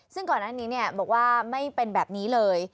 ซึ่งก่อนหน้านี้บอกว่าไม่เป็นแบบนี้เลย